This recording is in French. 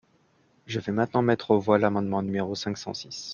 Je vais maintenant mettre aux voix l’amendement numéro cinq cent six.